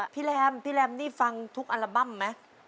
แรมพี่แรมนี่ฟังทุกอัลบั้มไหม